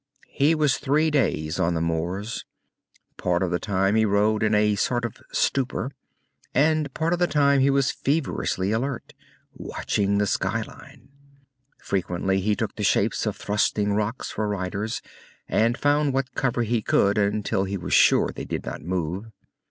He was three days on the moors. Part of the time he rode in a sort of stupor, and part of the time he was feverishly alert, watching the skyline. Frequently he took the shapes of thrusting rocks for riders, and found what cover he could until he was sure they did not move.